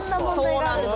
そうなんです。